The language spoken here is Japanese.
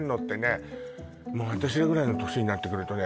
そうもう私らぐらいの年になってくるとね